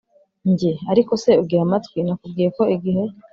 Njye ariko se ugiramatwi Nakubwiye ko igihe